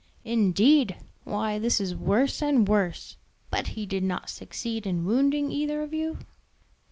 "Indeed! why this is worse and worse! But he did not succeed in wounding either of you?"